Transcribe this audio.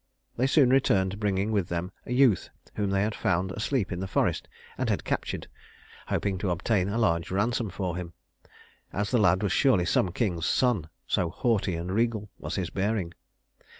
They soon returned, bringing with them a youth whom they had found asleep in the forest, and had captured, hoping to obtain a large ransom for him, as the lad was surely some king's son so haughty and regal was his bearing.